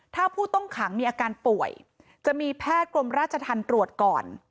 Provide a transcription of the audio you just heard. ถ้าผู้ต้องขังมีอาการป่วยจะมีแพทย์กรมราชธรรมตรวจก่อน